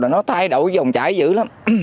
nó thay đổi vòng chảy dữ lắm